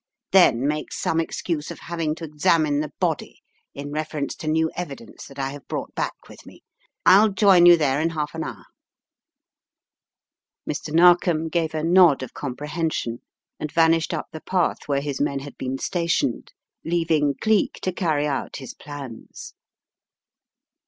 Then make some excuse of having tc examine the body in reference to new evidence that I have brought back with me. I'll join you there in half an hour/' Mr. Narkom gave a nod of comprehension and vanished up the path where his men had been stationed, leaving Cleek to carry out his plans.